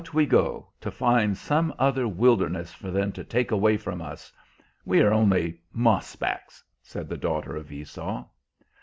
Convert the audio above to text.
"Out we go, to find some other wilderness for them to take away from us! We are only mossbacks," said the daughter of Esau.